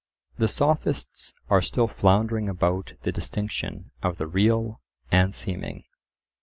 The Sophists are still floundering about the distinction of the real and seeming.